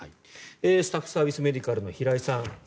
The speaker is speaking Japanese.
スタッフサービス・メディカルの平井さん。